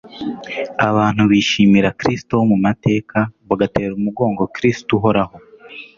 Abantu bishimira Kristo wo mu mateka, bagatera umugongo Kristo Uhoraho